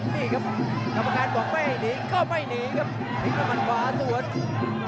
นี่ครับนำพาการไม่ไหวให้หนีก็ไปหวนถึงต้ามันฟ้าส่วน